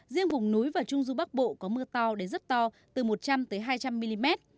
riêng vùng núi và trung du bắc bộ có mưa to đến rất to từ một trăm linh hai trăm linh mm